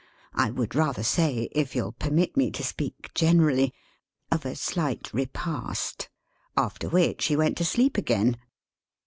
I would rather say, if you'll permit me to speak generally of a slight repast. After which, he went to sleep again.